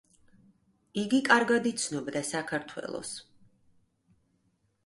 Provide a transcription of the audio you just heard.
იგი კარგად იცნობდა საქართველოს.